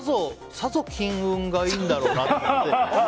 さぞ金運がいいんだろうなって。